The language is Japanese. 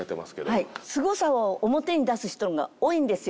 スゴさを表に出す人が多いんですよ